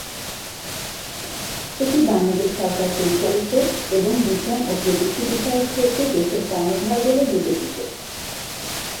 এটি বাংলাদেশ সরকার পরিচালিত এবং বিজ্ঞান ও প্রযুক্তি বিষয়ক ক্ষেত্রে দেশের কর্ণধার বলে বিবেচিত।